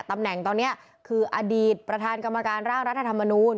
ตำแหน่งตอนนี้คืออดีตประธานกรรมการร่างรัฐธรรมนูล